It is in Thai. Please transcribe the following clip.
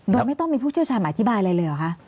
โดยไม่ต้องมีผู้เชี่ยวชาญมาอธิบายอะไรเลยเหรอคะ